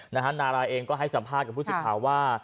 นารายเองก็ให้สัมภาษณ์กับผู้สิทธิ์ข่าวว่า